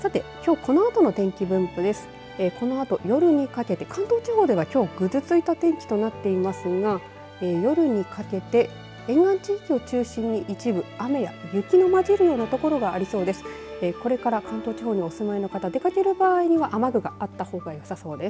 このあと、夜にかけて関東地方では、きょうぐずついた天気となっていますが夜にかけて沿岸地域を中心に一部、雨や雪の交じるような所がありそうです。